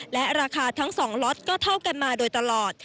และราคาทั้ง๒ล็อตก็เท่ากันมาโดยตลอด